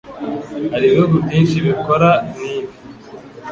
Hari ibihugu byinshi bikora nk'ibi